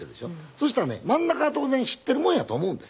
そしたらね真ん中は当然知っているもんやと思うんですよ。